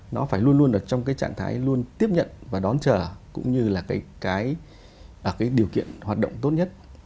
nó phải luôn luôn ở trong cái trạng thái luôn tiếp nhận và đón chờ cũng như là cái điều kiện hoạt động tốt nhất